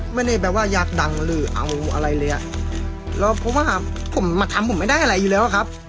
ไม่ได้แบบว่าอยากดังหรือเอาอะไรเลยอ่ะแล้วเพราะว่าผมมาทำผมไม่ได้อะไรอยู่แล้วครับ